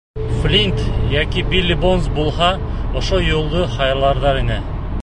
Флинт йәки Билли Бонс булһа, ошо юлды һайларҙар ине.